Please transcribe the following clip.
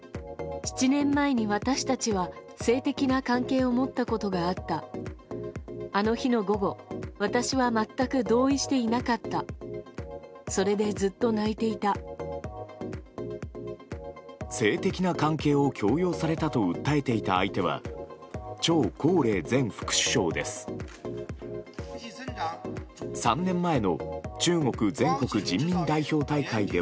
性的な関係を強要されたと訴えていた相手はチョウ・コウレイ前副首相です。